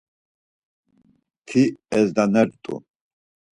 Ti ezdanert̆u.